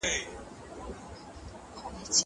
زه درسونه اورېدلي دي.